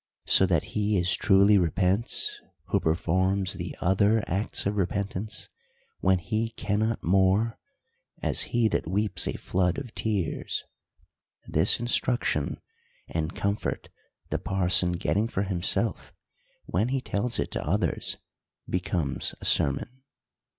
So that he as truly repents, who performs the other acts of repent ance, when he cannot more, as he that weeps a flood of tears. — This instruction and comfort the pai son getting for himself, when he tells it to others, becomes a sermon.